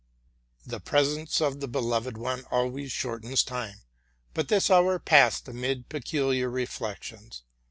The presence of the beloved one always shortens time, but this hour passed amid peculiar reflections.